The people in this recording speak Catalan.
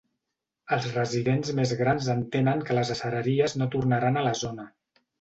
Els residents més grans entenen que les acereries no tornaran a la zona.